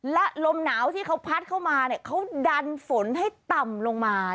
และลมหนาวที่เขาพัดเข้ามาเขาดันฝนให้ต่ำลงมา